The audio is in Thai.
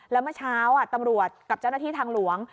แล้วเมื่อเช้าตำรวจกับเจ้าหน้าที่ทางหลวง